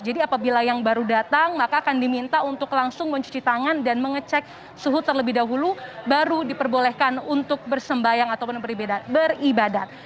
apabila yang baru datang maka akan diminta untuk langsung mencuci tangan dan mengecek suhu terlebih dahulu baru diperbolehkan untuk bersembayang ataupun beribadat